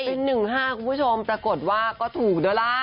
เป็น๑๕คุณผู้ชมปรากฏว่าก็ถูกด้วยล่ะ